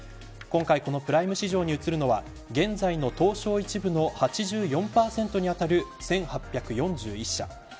今回このプライム市場に移るのは現在の東証１部の８４％に当たる１８４１社。